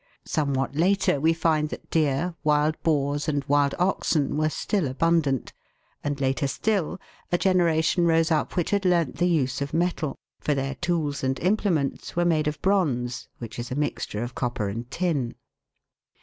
Somewhat later we find that deer, wild boars, and wild oxen, were still abundant; and later still, a generation rose up which had learnt the use of metal, for their tools and implements were made of bronze, which is a mixture of copper and tin.